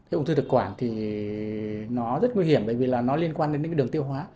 ông thư thực quản rất nguy hiểm bởi vì nó liên quan đến đường tiêu hóa